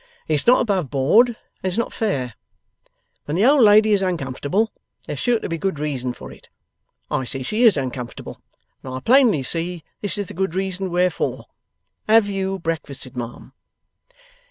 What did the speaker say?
'It's not above board and it's not fair. When the old lady is uncomfortable, there's sure to be good reason for it. I see she is uncomfortable, and I plainly see this is the good reason wherefore. HAVE you breakfasted, ma'am.